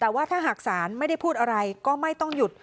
แต่ว่าถ้าหากศาลไม่ได้พูดอะไรก็ไม่ต้องหยุด